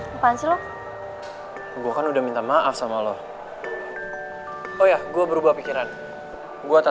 masa tadi kemarin gak berenung deh